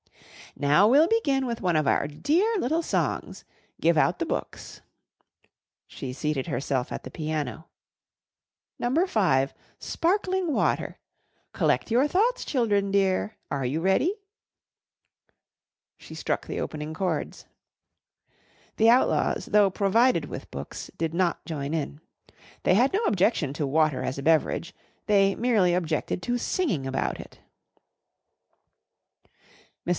"Now, we'll begin with one of our dear little songs. Give out the books." She seated herself at the piano. "Number five, 'Sparkling Water.' Collect your thoughts, children dear. Are you ready?" She struck the opening chords. The Outlaws, though provided with books, did not join in. They had no objection to water as a beverage. They merely objected to singing about it. Mrs.